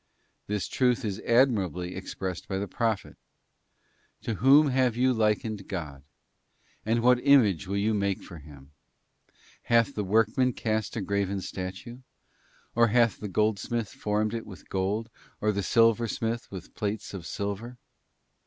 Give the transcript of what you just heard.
'This truth is admirably ex _ pressed by the Prophet: 'To whom then have you likened _ God? or what image will you make for Him? Hath the _ workman cast a graven statue? or hath the goldsmith formed _ it with gold, or the silversmith with plates of silver?